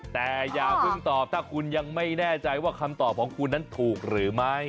แต่อย่าเพิ่งตอบถ้าคุณยังไม่แน่ใจว่าคำตอบของคุณนั้นถูกหรือไม่